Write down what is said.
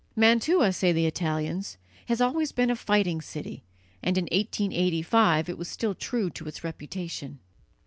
Mantua, say the Italians, has always been a fighting city, and in 1885 it was still true to its reputation.